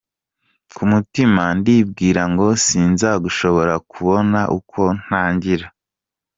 Ku mutima ndibwira ngo sinza gushobora kubona uko ntangira.